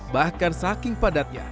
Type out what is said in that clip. bahkan saking padatnya